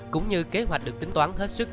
cũng như kế hoạch được tính toán hết sức